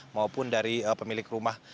maupun dari pemilik rumah